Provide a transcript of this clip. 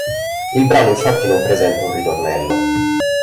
Il brano infatti non presenta un ritornello.